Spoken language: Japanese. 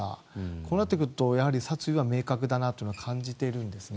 こうなってくると殺意は明確だなと感じてるんですね。